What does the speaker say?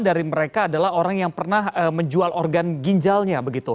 dari mereka adalah orang yang pernah menjual organ ginjalnya begitu